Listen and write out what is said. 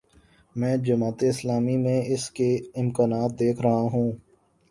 میں جماعت اسلامی میں اس کے امکانات دیکھ رہا ہوں۔